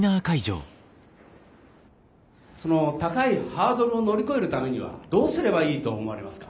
その高いハードルを乗り越えるためにはどうすればいいと思われますか？